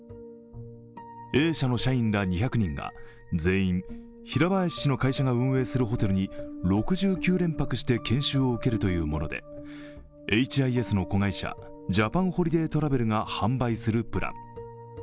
Ａ社の社員ら２００人が全員、平林氏の会社が運営するホテルに６９連泊して研修を受けるというものでエイチ・アイ・エスの子会社、ジャパンホリデートラベルが販売するプラン。